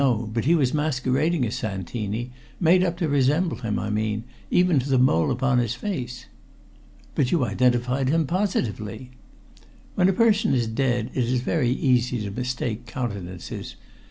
But he was masquerading as Santini made up to resemble him, I mean, even to the mole upon his face." "But you identified him positively?" "When a person is dead it is very easy to mistake countenances.